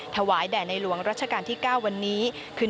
ถวายแด่ในหลวงรัชกาลที่๙วันนี้คือ